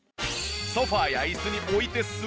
ソファや椅子に置いて座るだけ。